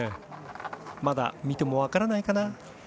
まだ見ても分からないかな。